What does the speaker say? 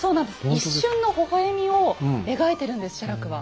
一瞬のほほ笑みを描いてるんです写楽は。